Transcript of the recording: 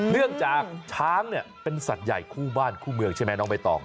เนื่องจากช้างเนี่ยเป็นสัตว์ใหญ่คู่บ้านคู่เมืองใช่ไหมน้องใบตอง